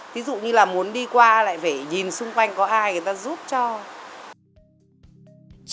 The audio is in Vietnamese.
thí dụ như là muốn đi qua lại phải nhìn xung quanh có ai người ta giúp cho